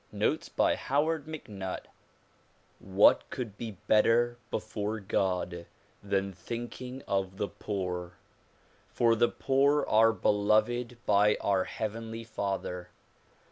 Notes by Howard MacNutt WHAT could be better before God than thinking of the poor? For the poor are beloved by our heavenly father.